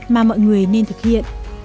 mà mọi người nên thực hiện